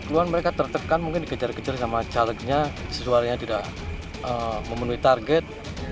keluhan mereka tertekan mungkin dikejar kejar sama calegnya sesuaranya tidak memenuhi target